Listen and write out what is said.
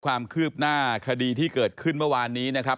ความคืบหน้าคดีที่เกิดขึ้นเมื่อวานนี้นะครับ